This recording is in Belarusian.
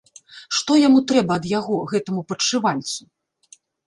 Што яму трэба ад яго, гэтаму падшывальцу?